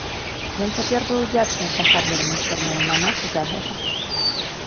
Ён цяпер быў удзячны здагадліваму чорнаму манаху за гэта.